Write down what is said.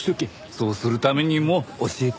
そうするためにも教えて。